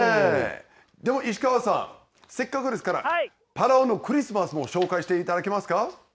でも、石川さん、せっかくですから、パラオのクリスマスも紹介していただけますか。